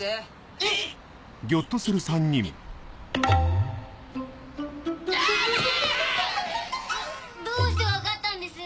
えっ⁉ああっ⁉どうして分かったんです？